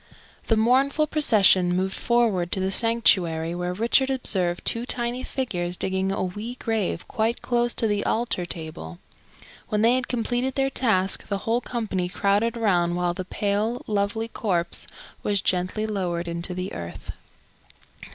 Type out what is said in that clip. The mournful procession moved forward to the sanctuary, where Richard observed two tiny figures digging a wee grave quite close to the altar table. When they had completed their task, the whole company crowded around while the pale, lovely corpse was gently lowered into the earth.